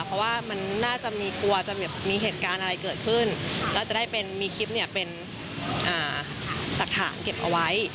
เพราะว่ามันน่าจะมีกลัวจะมีเหตุการณ์อะไรเกิดขึ้นแล้วจะได้เป็นมีคลิปเนี่ยเป็นหลักฐานเก็บเอาไว้